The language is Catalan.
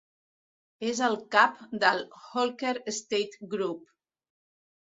És el Cap del Holker Estate Group.